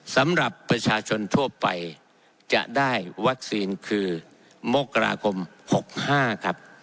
สำหรับประชาชนทั่วไปจะได้วัคซีนคือมกราคม๖๕ครับ